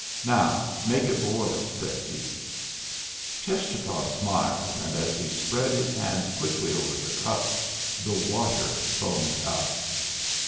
"Now make it boil," said he. Cheschapah smiled, and as he spread his hand quickly over the cup, the water foamed up.